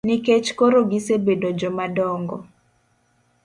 Nikech koro gisebedo joma dongo.